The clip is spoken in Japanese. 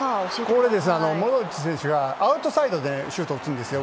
これ、モドリッチ選手がアウトサイドでシュート打つんです。